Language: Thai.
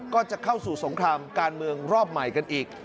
ก็จะเข้าสู่สงครามการเมืองรอบใหม่กันอีก